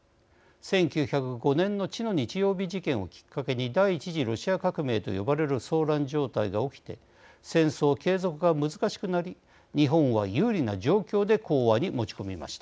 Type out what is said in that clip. １９０５年の血の日曜日事件をきっかけに第１次ロシア革命と呼ばれる騒乱状態が起きて戦争継続が難しくなり日本は有利な状況で講和に持ち込みました。